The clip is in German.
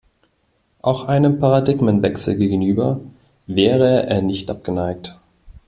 Auch einem Paradigmenwechsel gegenüber wäre er nicht abgeneigt.